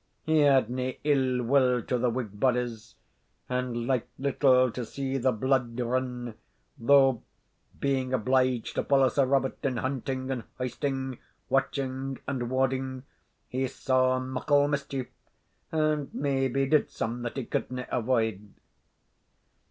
He had nae ill will to the Whig bodies, and liked little to see the blude rin, though, being obliged to follow Sir Robert in hunting and hoisting, watching and warding, he saw muckle mischief, and maybe did some that he couldna avoid.